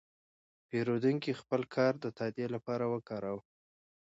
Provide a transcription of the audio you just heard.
پیرودونکی خپل کارت د تادیې لپاره وکاراوه.